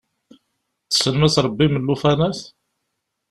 Tessnem ad tṛebbim llufanat?